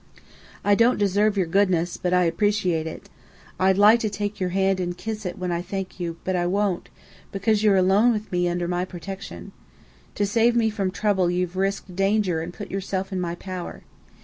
"I don't deserve your goodness, but I appreciate it. I'd like to take your hand and kiss it when I thank you, but I won't, because you're alone with me, under my protection. To save me from trouble you've risked danger and put yourself in my power.